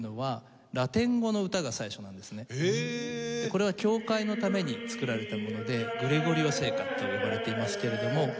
これは教会のために作られたものでグレゴリオ聖歌と呼ばれていますけれども。